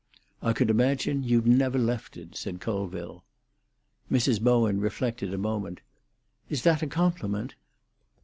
"I could imagine you'd never left it," said Colville. Mrs. Bowen reflected a moment. "Is that a compliment?"